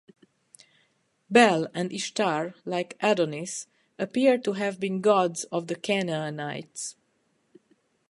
Bel and Ishtar, like Adonis, appear to have been gods of the Canaanites.